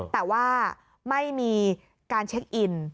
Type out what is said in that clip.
แต่ว่าไม่มีการเช็คอิน